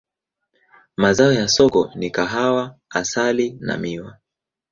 Mazao ya soko ni kahawa, asali na miwa.